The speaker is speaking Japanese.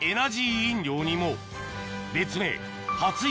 飲料にも別名発育